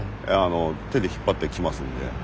手で引っ張ってきますんで。